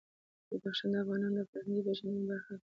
بدخشان د افغانانو د فرهنګي پیژندنې برخه ده.